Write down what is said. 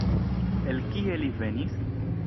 El kie li venis?